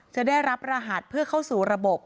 จะได้รับรหัสเพื่อเข้าสู่ระบบ